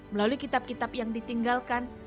melalui kitab kitab yang ditinggalkan